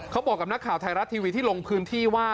เขาบอกกับนักข่าวไทยรัฐทีวีที่ลงพื้นที่ว่า